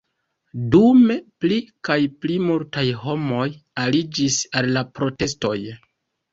Dume pli kaj pli multaj homoj aliĝis al la protestoj.